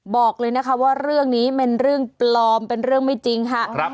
บอกเลยนะคะว่าเรื่องนี้เป็นเรื่องปลอมเป็นเรื่องไม่จริงค่ะ